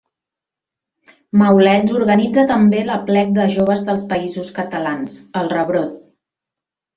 Maulets organitza també l'Aplec de Joves dels Països Catalans, el Rebrot.